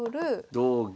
同銀。